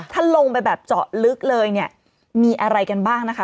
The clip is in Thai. ถ้าลงไปแบบเจาะลึกเลยเนี่ยมีอะไรกันบ้างนะคะ